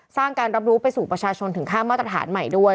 การรับรู้ไปสู่ประชาชนถึงค่ามาตรฐานใหม่ด้วย